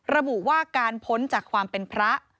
ระบุว่าการพ้นจากความเป็นพระ